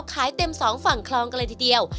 เช่นอาชีพพายเรือขายก๋วยเตี๊ยว